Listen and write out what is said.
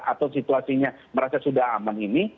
atau situasinya merasa sudah aman ini